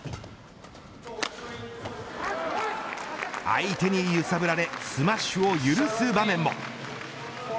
相手に揺さぶられスマッシュを許す場面も。